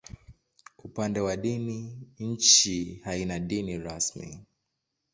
Upande wa dini, nchi haina dini rasmi.